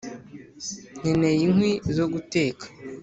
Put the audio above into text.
nkeneye inkwi zo guteka.